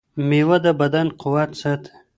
مېوه د بدن قوت ساتي.